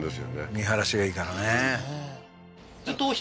見晴らしがいいからね